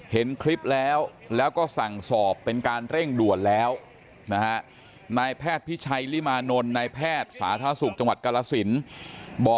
เห็นคลิปแล้วแล้วก็สั่งสอบเป็นการเร่งด่วนแล้วนะฮะ